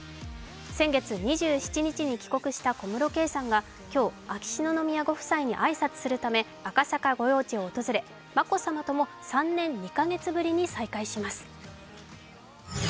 先月２７日に帰国した小室圭さんが今日、秋篠宮ご夫妻に挨拶するため赤坂御用地を訪れ、眞子さまとも３年２カ月ぶりに再開します。